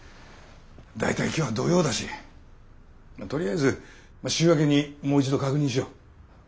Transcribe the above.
大体今日は土曜だしとりあえず週明けにもう一度確認しよう。